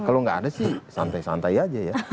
kalau nggak ada sih santai santai aja ya